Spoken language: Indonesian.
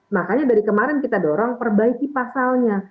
makanya dari kemarin kita dorong perbaiki pasalnya